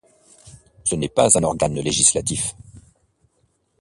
Ce n'est pas un organe législatif.